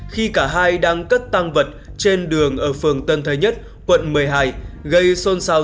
khi cả hai đang cất tăng vật trên đường ở phường tân thế nhất quận một mươi hai gây xôn xao dư luận